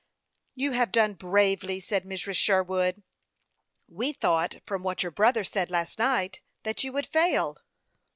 " You have done bravely," said Mrs. Sherwood. " We thought, from what your brother said last night, that you would fail."